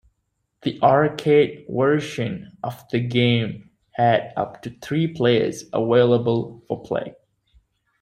The arcade version of the game had up to three players available for play.